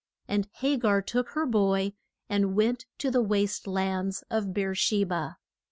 And Ha gar took her boy and went to the waste lands of Beer she ba.